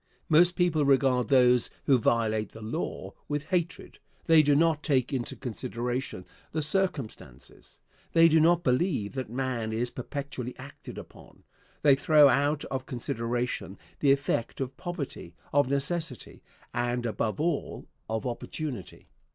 Most people regard those who violate the law with hatred. They do not take into consideration the circumstances. They do not believe that man is perpetually acted upon. They throw out of consideration the effect of poverty, of necessity, and above all, of opportunity.